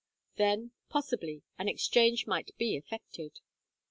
Then, possibly, an exchange might be effected.